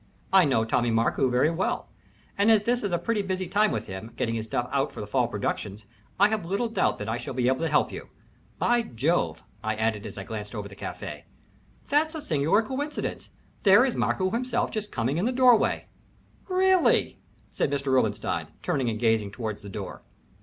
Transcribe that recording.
I know Tommy Markoo very well, and as this is a pretty busy time with him, getting his stuff out for the fall productions, I have little doubt I shall be able to help you. By Jove!" I added, as I glanced over the café, "that's a singular coincidence there is Markoo himself just coming in the doorway." "Really?" said Mr. Robinstein, turning and gazing towards the door.